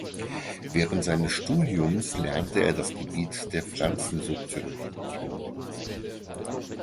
Während seines Studiums lernte er das Gebiet der Pflanzensoziologie kennen.